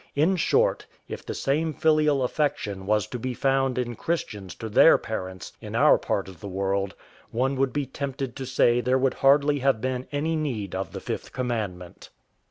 In short, if the same filial affection was to be found in Christians to their parents in our part of the world, one would be tempted to say there would hardly have been any need of the fifth commandment.